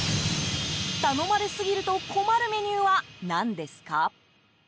頼まれすぎると困るメニューは何ですか？